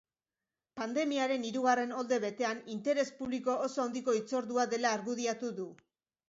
Pandemiaren hirugarren olde betean, interes publiko oso handiko hitzordua dela argudiatu du.